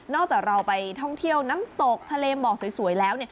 จากเราไปท่องเที่ยวน้ำตกทะเลหมอกสวยแล้ว